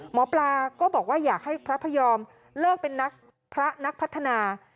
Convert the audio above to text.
หมอปลาก็บอกว่าอยากให้พระพยอมเลิกเป็นนักพระนักพัฒนา